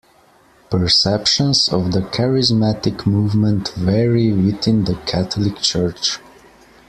Perceptions of the Charismatic movement vary within the Catholic Church.